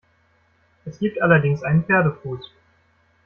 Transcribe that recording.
Es gibt allerdings einen Pferdefuß.